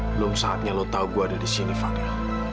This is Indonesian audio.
belum saatnya lo tahu gue ada di sini fani